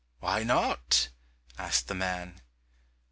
"Why not?" asked the man.